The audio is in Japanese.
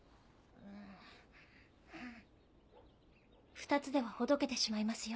２つではほどけてしまいますよ